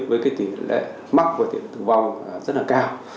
với cái tỉ lệ mắc và tỉ lệ tử vong rất là cao